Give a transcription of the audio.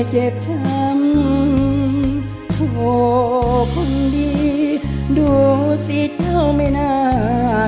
เจ็บช้ำโหคนดีดูสิเจ้าไม่น่า